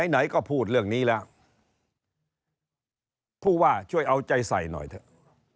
ไหนก็พูดเรื่องนี้แล้วผู้ว่าช่วยเอาใจใส่หน่อยเถอะ